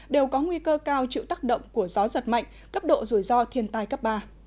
đều có nguy cơ cao chịu tác động của gió giật mạnh cấp độ rủi ro thiên tai cấp ba